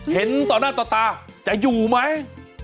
เห็นต่อหน้าต่อตาจะอยู่ไหม